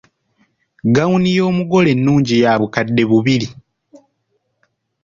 Gawuni y’omugole ennungi ya bukaddde bubiri.